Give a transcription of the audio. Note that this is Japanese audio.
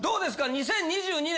２０２２年。